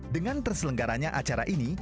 dengan terselenggaranya acara ini